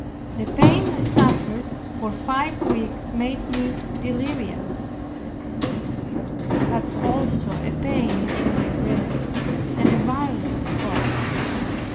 The pain I suffered for five weeks made me delirious. I had also a pain in my breast and a violent cough.